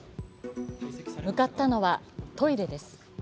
向かったのはトイレです。